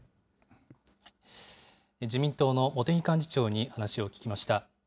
自民党の茂木幹事長に話を聞きました。